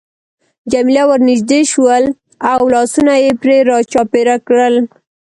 جميله ورنژدې شول او لاسونه يې پرې را چاپېره کړل.